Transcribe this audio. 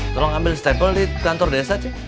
tolong ambil stapl di kantor desa ceng